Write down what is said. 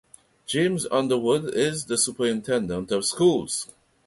James Underwood is the Superintendent of Schools.